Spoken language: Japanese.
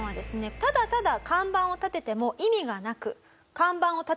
ただただ看板を立てても意味がなく。